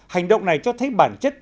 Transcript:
hành động này cho thấy bản chất